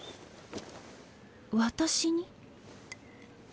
私に？